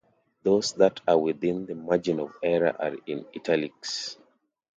Those that are within the margin of error are in "italics".